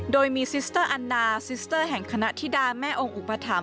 โดยมีซิสเตอร์อันนาซิสเตอร์แห่งคณะธิดาแม่องค์อุปถัมภ